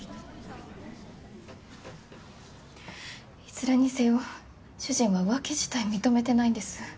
いずれにせよ主人は浮気自体認めてないんです。